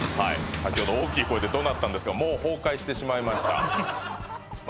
先ほど大きい声で怒鳴ったんですがもう崩壊してしまいましたまあ